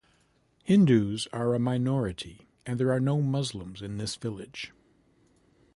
Hindus are a minority and there are no Muslims in this village.